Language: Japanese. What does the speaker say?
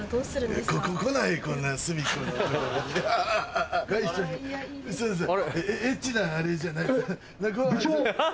すいません！